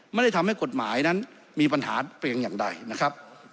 ไม่ได้ทำให้กฎหมายนั้นมีปัญหาเพียงอย่างใดนะครับ